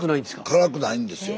辛くないんですよ